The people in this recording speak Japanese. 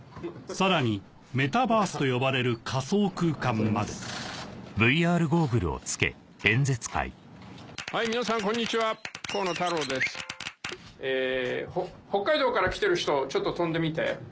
さらにメタバースと呼ばれる仮想空間まで北海道から来てる人ちょっと跳んでみて。